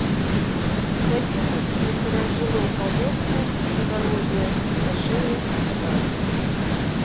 Насельніцтва перажыло паводку і спадарожнае спусташэнне гаспадарак.